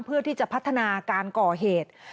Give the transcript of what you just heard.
เพื่อที่จะพัฒนาการก่อเหตุ